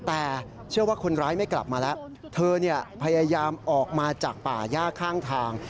แต่เชื่อว่าคนร้ายไม่กลับมาแล้วเธอพยายามออกมาจากป่าย่าข้างทาง